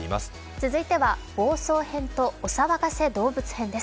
続いては「暴走編」と「お騒がせ動物編」です。